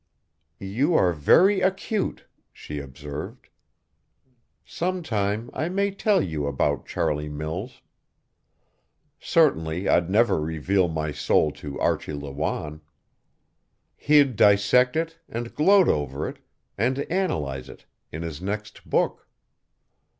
"You are very acute," she observed. "Some time I may tell you about Charlie Mills. Certainly I'd never reveal my soul to Archie Lawanne. He'd dissect it and gloat over it and analyze it in his next book.